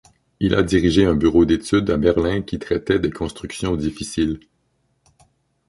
Il a dirigé un bureau d'études à Berlin qui traitait des constructions difficiles.